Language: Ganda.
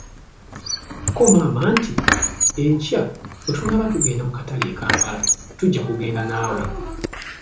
Ko maama nti, enkya bwe tunaaba tugenda mu katale e Kampala, tujja kugenda naawe .